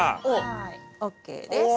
はいＯＫです。